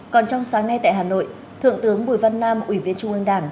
còn trong sáng nay tại hà nội thượng tướng bùi văn nam ủy viên trung ương đảng